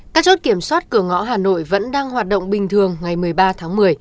các chốt kiểm soát cửa ngõ hà nội vẫn đang hoạt động bình thường ngày một mươi ba tháng một mươi